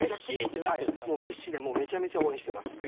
メッシでめちゃめちゃ応援しています。